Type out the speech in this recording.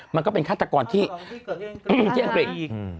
มันก็เป็นฆาตกรที่เกิดเยี่ยงอังกฤษ